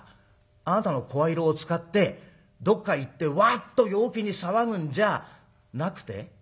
あなたの声色を使ってどっかへ行ってワッと陽気に騒ぐんじゃなくて？